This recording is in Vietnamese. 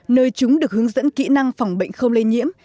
nơi chúng được hướng dẫn kỹ năng phòng bệnh không lây nhiễm